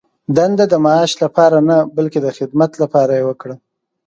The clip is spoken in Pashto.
دنده د معاش لپاره نه، بلکې د خدمت لپاره یې وکړه.